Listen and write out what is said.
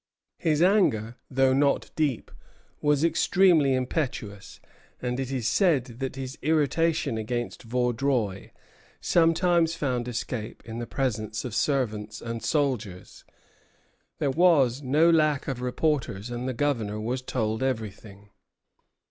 His anger, though not deep, was extremely impetuous; and it is said that his irritation against Vaudreuil sometimes found escape in the presence of servants and soldiers. There was no lack of reporters, and the Governor was told everything.